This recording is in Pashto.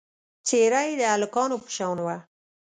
څېره یې د هلکانو په شان وه.